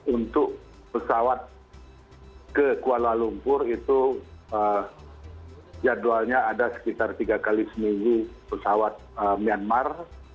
untuk pesawat ke kuala lumpur itu jadwalnya ada sekitar tiga kali seminggu pesawat myanmar